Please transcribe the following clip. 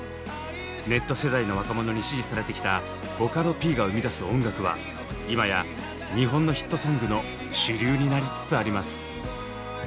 ネット世代の若者に支持されてきたボカロＰが生み出す音楽は今や日本のヒットソングの主流になりつつあります。